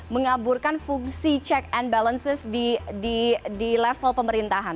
mengaburkan fungsi check and balances di level pemerintahan